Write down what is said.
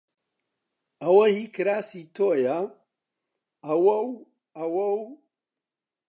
ئەوە هیی کراسی تۆیە! ئەوە و ئەوە و